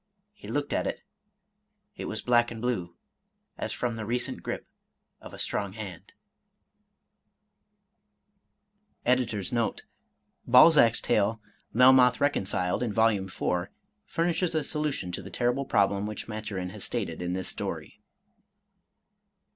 He looked at it, it was black and blue, as from the recent gripe of a strong hand. Balzac's tale, Melmoth Reconciled, in Vol. IV., furnishes a so lution to the terrible problem which Maturin has stated in this story.